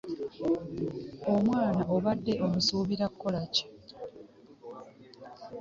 Omwana obadde omusuubira kukola ki?